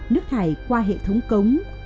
nước thải qua hệ thống cung cấp